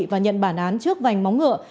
và nhận bản án trước vành móng ngựa